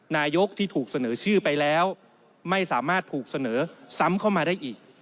นายกที่ถูกเสนอชื่อไปแล้วไม่สามารถถูกเสนอซ้ำเข้ามาได้อีก